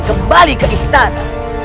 kembali ke istana